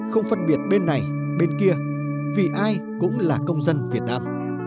không phân biệt bên này bên kia vì ai cũng là công dân việt nam